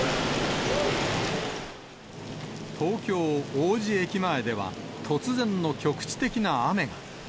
東京・王子駅前では、突然の局地的な雨が。